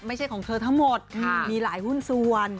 ไม่ใช่ของเธอทั้งหมดมีหลายหุ้นส่วน